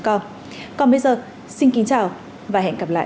còn bây giờ xin kính chào và hẹn gặp lại